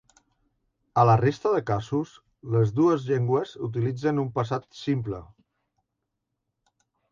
A la resta de casos, les dues llengües utilitzen un passat simple.